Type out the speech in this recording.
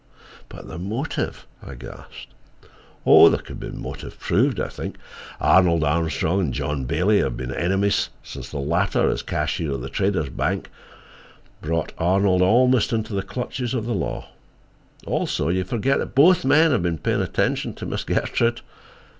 "But the motive?" I gasped. "There could be motive proved, I think. Arnold Armstrong and John Bailey have been enemies since the latter, as cashier of the Traders' Bank, brought Arnold almost into the clutches of the law. Also, you forget that both men have been paying attention to Miss Gertrude.